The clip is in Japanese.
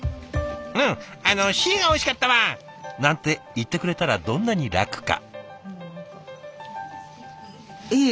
「うんあのＣがおいしかったわ！」なんて言ってくれたらどんなに楽か。